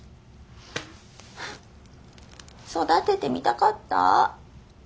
はあ育ててみたかった。